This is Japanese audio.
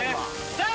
さあ